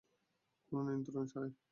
কোনো নিয়ন্ত্রণ ছাড়াই।